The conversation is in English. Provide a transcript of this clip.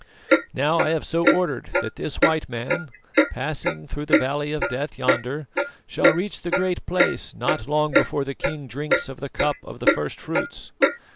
"Now I have so ordered that this white man, passing through the Valley of Death yonder, shall reach the Great Place not long before the king drinks of the cup of the first fruits.